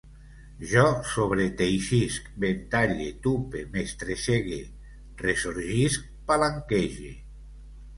Jo sobreteixisc, ventalle, tupe, mestressege, ressorgisc, palanquege